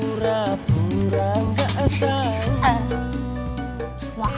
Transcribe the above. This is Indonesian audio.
aku pura pura gak tau